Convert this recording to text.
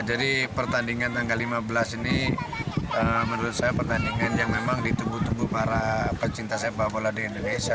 jadi pertandingan tanggal lima belas ini menurut saya pertandingan yang memang ditunggu tunggu para pecinta sepak bola di indonesia